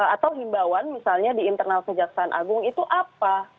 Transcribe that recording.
atau himbawan misalnya di internal kejaksaan agung itu apa